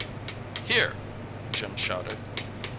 "Here!" Jim shouted.